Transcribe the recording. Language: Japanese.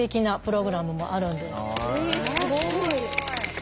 えすごい。